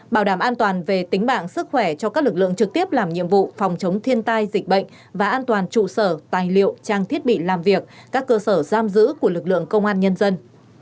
bảo đảm an toàn về tính mạng sức khỏe cho các lực lượng trực tiếp làm nhiệm vụ phòng chống thiên tai dịch bệnh và an toàn trụ sở tài liệu trang thiết bị làm việc các cơ sở giam giữ của lực lượng công an nhân dân